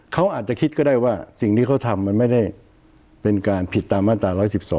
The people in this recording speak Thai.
เขาอาจจะคิดก็ได้ว่าสิ่งที่เขาทำมันไม่ได้เป็นการผิดตามมาตรา๑๑๒